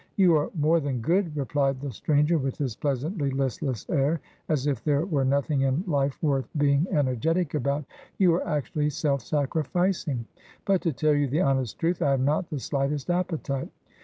' You are more than good,' replied the stranger with his pleasantly listless air, as if there were nothing in life worth being energetic about ;' you are actually self sacrificing. But, to tell you the honest truth, I have not the slightest appetite.